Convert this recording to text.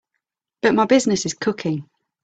But my business is cooking.